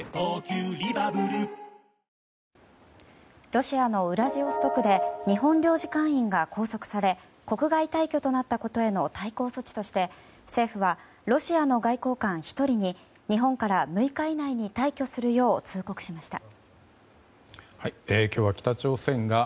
ロシアのウラジオストクで日本領事館員が拘束され国外退去となったことへの対抗措置として政府はロシアの外交官１人に日本から６日以内に退去するよう通告しました。